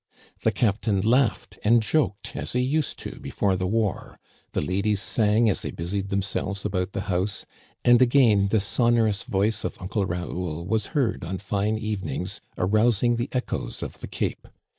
The captain laughed and joked as he used to before the war, the ladies sang as they busied themselves about the house, and again the sonorous voice of Uncle Raoul was heard on fine evenings arousing the echoes of the cape.